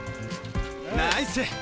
ナイス！